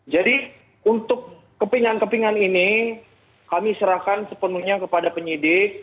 jadi untuk kepingan kepingan ini kami serahkan sepenuhnya kepada penyidik